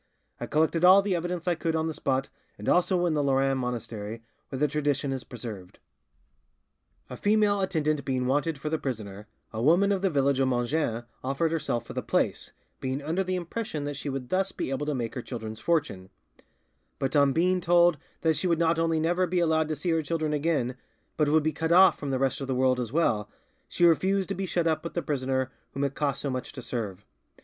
I collected all the evidence I could on the spot, and also in the Lerins monastery, where the tradition is preserved. "A female attendant being wanted for the prisoner, a woman of the village of Mongin offered herself for the place, being under the impression that she would thus be able to make her children's fortune; but on being told that she would not only never be allowed to see her children again, but would be cut off from the rest of the world as well, she refused to be shut up with a prisoner whom it cost so much to serve.